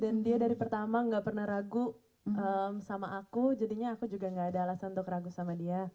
dan dia dari pertama gak pernah ragu sama aku jadinya aku juga gak ada alasan untuk ragu sama dia